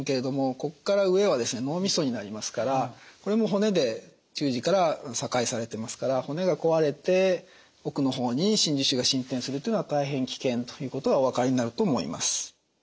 ここから上は脳みそになりますからこれも骨で中耳から境されてますから骨が壊れて奥の方に真珠腫が伸展するというのは大変危険ということがお分かりになると思います。